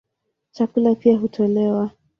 Chakula pia hutolewa.